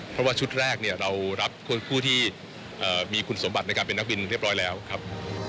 เพราะว่าชุดแรกเนี่ยเรารับผู้ที่มีคุณสมบัติในการเป็นนักบินเรียบร้อยแล้วครับ